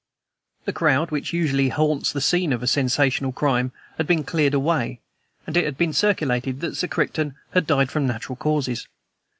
The crowd which usually haunts the scene of a sensational crime had been cleared away, and it had been circulated that Sir Crichton had died from natural causes.